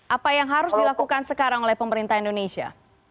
apa yang harus dilakukan sekarang oleh pemerintah indonesia